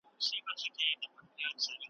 پر دوو پښو راته ولاړ یې سم سړی یې ,